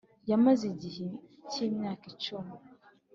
Yamaze igihe cy’imyaka icumi